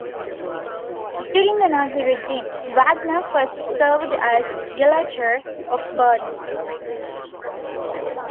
During the Nazi regime, Wagner first served as Gauleiter of Baden.